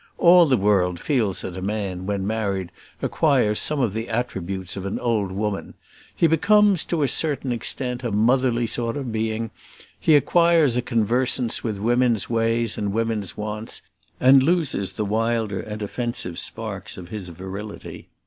All the world feels that a man when married acquires some of the attributes of an old woman he becomes, to a certain extent, a motherly sort of being; he acquires a conversance with women's ways and women's wants, and loses the wilder and offensive sparks of his virility.